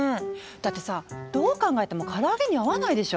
だってさどう考えてもから揚げに合わないでしょ。